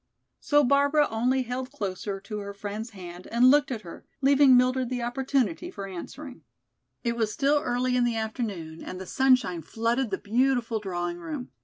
So Barbara only held closer to her friend's hand and looked at her, leaving Mildred the opportunity for answering. It was still early in the afternoon and the sunshine flooded the beautiful drawing room.